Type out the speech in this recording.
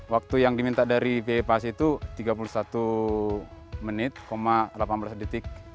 waktu yang diminta dari pipa s itu tiga puluh satu menit delapan belas detik